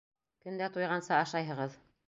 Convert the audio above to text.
Көн дә туйғанса ашайһығыҙ!